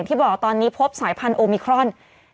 ตอนนี้พบสายพันธุ์โอมิครอน๙๗๒